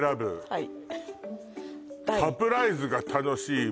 はい